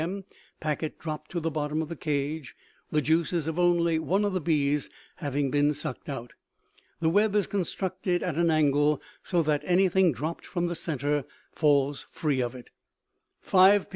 M.; packet dropped to the bottom of the cage, the juices of only one of the bees having been sucked out. The web is constructed at an angle so that anything dropped from the center falls free of it. "5 P.